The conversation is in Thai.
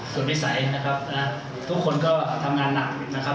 ส่วนวิสัยนะครับทุกคนก็ทำงานหนักนะครับ